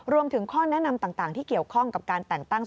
รวมถึงข้อแนะนำต่างที่เกี่ยวข้องกับการแต่งตั้ง